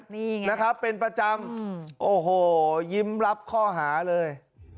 นี่ไงนะครับเป็นประจำโอ้โหยิ้มรับข้อหาเลย